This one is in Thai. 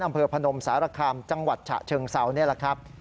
พนมสารคามจังหวัดฉะเชิงเซานี่แหละครับ